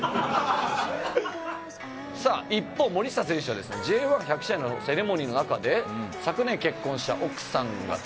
さあ一方森下選手はですねＪ１１００試合のセレモニーの中で昨年結婚した奥さんが登場。